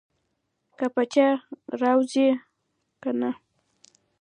که پچه راوځي کنه.